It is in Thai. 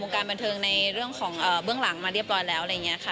การบันเทิงในเรื่องของเบื้องหลังมาเรียบร้อยแล้วอะไรอย่างนี้ค่ะ